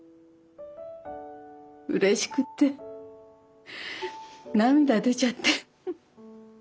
うれしくて涙出ちゃって。